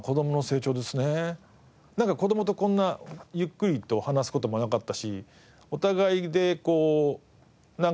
子どもとこんなゆっくりと話す事もなかったしお互いで時間を共有